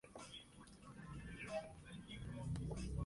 Retornada la democracia al Uruguay, Arismendi recupera su cargo de maestra.